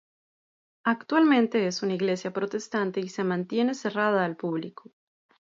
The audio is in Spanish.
Actualmente es una iglesia protestante y se mantiene cerrada al público.